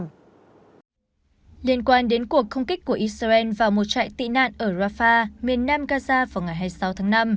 liên quan đến cuộc không kích của israel vào một trại tị nạn ở rafah miền nam gaza vào ngày hai mươi sáu tháng năm